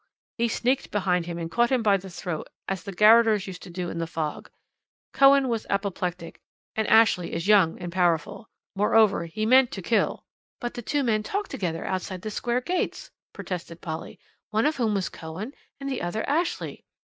He sneaked behind him and caught him by the throat, as the garroters used to do in the fog. Cohen was apoplectic, and Ashley is young and powerful. Moreover, he meant to kill " "But the two men talked together outside the Square gates," protested Polly, "one of whom was Cohen, and the other Ashley."